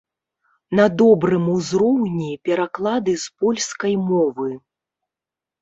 На добрым узроўні пераклады з польскай мовы.